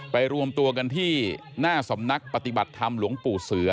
รวมตัวกันที่หน้าสำนักปฏิบัติธรรมหลวงปู่เสือ